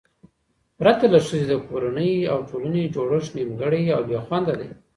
پرته له ښځې، د کورنۍ او ټولنې جوړښت نیمګړی او بې خونده دی